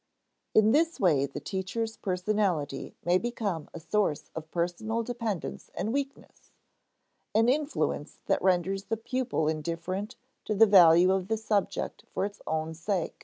In this way the teacher's personality may become a source of personal dependence and weakness, an influence that renders the pupil indifferent to the value of the subject for its own sake.